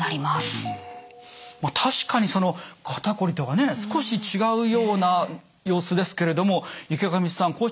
まあ確かにその肩こりとはね少し違うような様子ですけれども池上さん